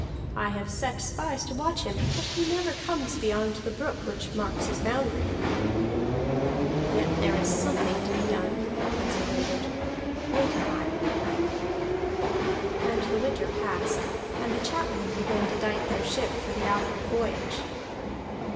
I have set spies to watch him, but he never comes beyond the brook which marks his boundary." "Yet there is something to be done," answered Ondott. "Wait awhile." And the winter passed, and the chapmen began to dight their ship for the outward voyage.